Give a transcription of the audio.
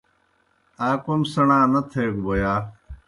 آ کوْم سیْݨا نہ تھیگہ بوْ یا؟